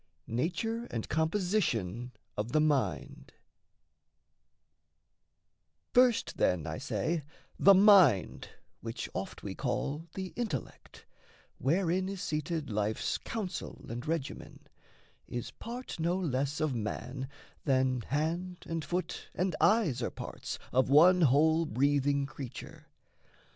NATURE AND COMPOSITION OF THE MIND First, then, I say, the mind which oft we call The intellect, wherein is seated life's Counsel and regimen, is part no less Of man than hand and foot and eyes are parts Of one whole breathing creature.